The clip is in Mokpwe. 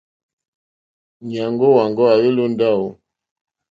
Nyàŋgo wàŋgo à hwelì o ndawò?